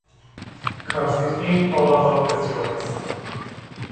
'Cause it ain't all about the steroids.